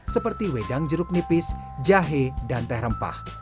seperti wedang jeruk nipis jahe dan teh rempah